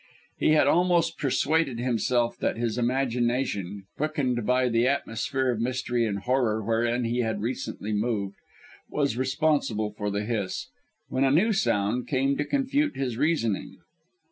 He had almost persuaded himself that his imagination quickened by the atmosphere of mystery and horror wherein he had recently moved was responsible for the hiss, when a new sound came to confute his reasoning.